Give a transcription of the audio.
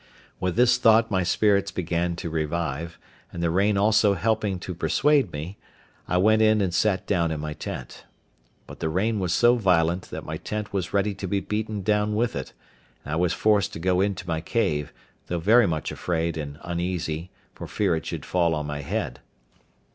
With this thought my spirits began to revive; and the rain also helping to persuade me, I went in and sat down in my tent. But the rain was so violent that my tent was ready to be beaten down with it; and I was forced to go into my cave, though very much afraid and uneasy, for fear it should fall on my head.